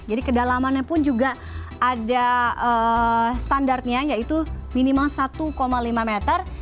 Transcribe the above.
jadi kedalamannya pun juga ada standarnya yaitu minimal satu lima meter